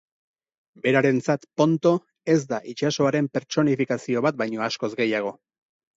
Berarentzat, Ponto, ez da itsasoaren pertsonifikazio bat baino askoz gehiago.